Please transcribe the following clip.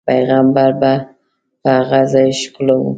پیغمبر به په هغه ځاې ښکلو.